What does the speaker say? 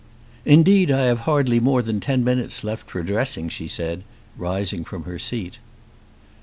"Indeed I have hardly more than ten minutes left for dressing," she said, rising from her seat.